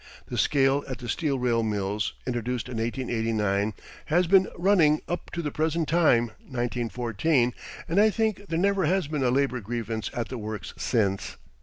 The scale at the steel rail mills, introduced in 1889, has been running up to the present time (1914), and I think there never has been a labor grievance at the works since.